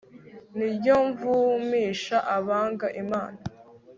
nirwo mvumisha abanga imana